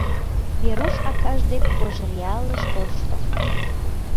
Веруш акаж дек Кожеръялыш кошто.